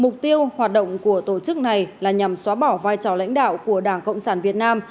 mục tiêu hoạt động của tổ chức này là nhằm xóa bỏ vai trò lãnh đạo của đảng cộng sản việt nam